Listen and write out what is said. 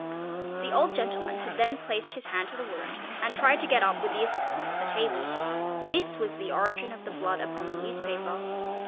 The old gentleman had then placed his hand to the wound and tried to get up with the assistance of the table; this was the origin of the blood upon the newspaper.